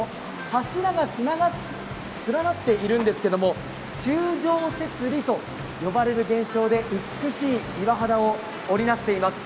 柱が連なっているんですけれども柱状節理と呼ばれる現象で美しい岩肌を織りなしています。